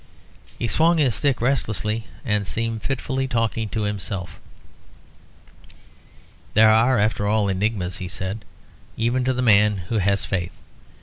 He swung his stick restlessly, and seemed fitfully talking to himself. "There are, after all, enigmas," he said "even to the man who has faith.